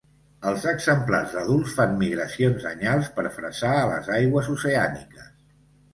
Els exemplars adults fan migracions anyals per fresar a les aigües oceàniques.